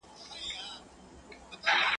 o چي په تمه د سپرو سي، هغه پاتي په مېرو سي.